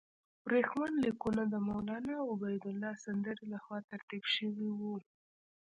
ورېښمین لیکونه د مولنا عبیدالله سندي له خوا ترتیب شوي وو.